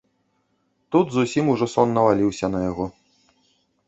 Тут зусім ужо сон наваліўся на яго.